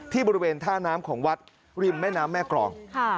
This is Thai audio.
บริเวณท่าน้ำของวัดริมแม่น้ำแม่กรอง